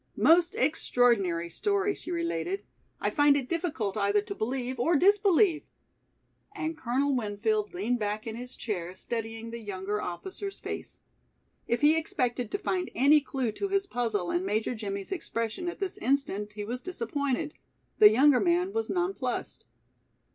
Most extraordinary story she related, I find it difficult either to believe or disbelieve!" And Colonel Winfield leaned back in his chair studying the younger officer's face. If he expected to find any clue to his puzzle in Major Jimmie's expression at this instant he was disappointed. The younger man was nonplused.